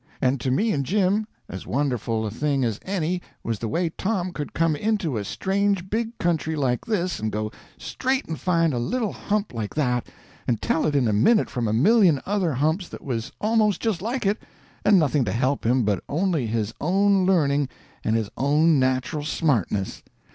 And to me and Jim, as wonderful a thing as any was the way Tom could come into a strange big country like this and go straight and find a little hump like that and tell it in a minute from a million other humps that was almost just like it, and nothing to help him but only his own learning and his own natural smartness.